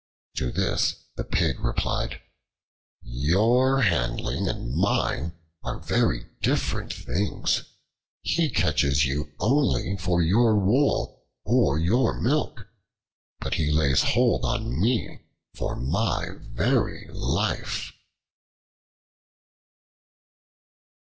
To this the Pig replied, "Your handling and mine are very different things. He catches you only for your wool, or your milk, but he lays hold on me for my very life."